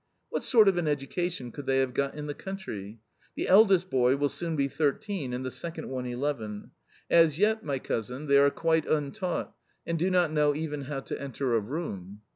What sort of an education could they have got in the country? The eldest boy will soon be thirteen, and the second one eleven. As yet, my cousin, they are quite untaught, and do not know even how to enter a room."